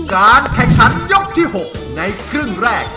การแข่งขันยกที่๖ในครึ่งแรก